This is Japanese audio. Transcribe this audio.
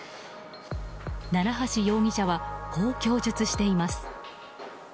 奈良橋容疑者はこう供述しています。